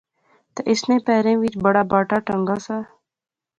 تہ اس نے پیریں وچ بڑا باٹا ٹہنگا سا